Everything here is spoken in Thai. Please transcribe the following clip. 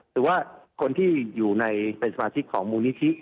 หรือว่าคนที่อยู่ในเป็นสมาชิกของมูลนิธิ